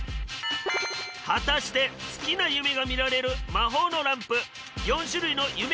果たして好きな夢が見られる魔法のランプ４種類の夢